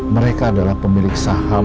mereka adalah pemilik saham